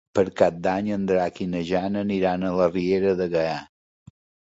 Per Cap d'Any en Drac i na Jana aniran a la Riera de Gaià.